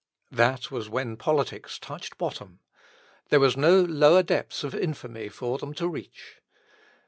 That was when politics touched bottom. There was no lower depths of infamy for them to reach.